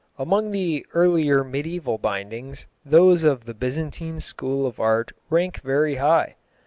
Among the earlier mediæval bindings those of the Byzantine school of art rank very high.